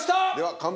乾杯！